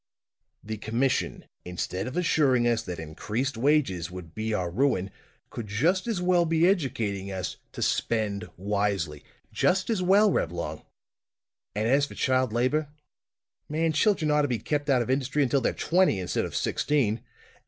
"The commission, instead of assuring us that increased wages would be our ruin, could just as well be educating us to spend wisely! Just as well, Reblong! And as for child labor man, children ought to be kept out of industry until they're twenty, instead of sixteen!